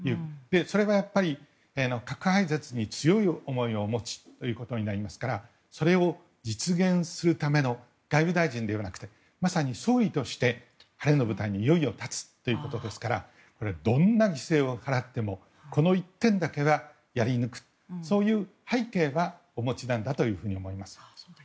それは、核廃絶に強い思いをお持ちということになりますからそれを実現するための外務大臣ではなくまさに総理として晴れの舞台にいよいよ立つということですからこれどんなに犠牲を払ってもこの１点だけはやり抜くというそういう背景はお持ちなんだと思います。